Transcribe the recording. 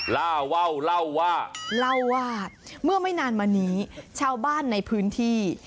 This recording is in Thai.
ล่าว่าวเล่าว่าเล่าว่าเมื่อไม่นานมานี้ชาวบ้านในพื้นที่